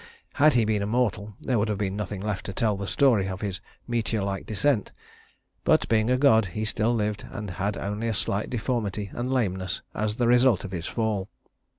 Had he been a mortal, there would have been nothing left to tell the story of his meteorlike descent; but being a god, he still lived and had only a slight deformity and lameness as the result of his fall.